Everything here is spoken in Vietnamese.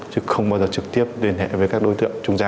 chứ không bao giờ trực tiếp liên hệ với các đối tượng trung gian